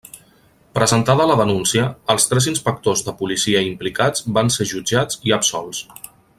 Presentada la denúncia, els tres inspectors de policia implicats van ser jutjats i absolts.